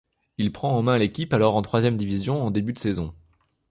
Il prend en main l'équipe alors en troisième division en début de saison.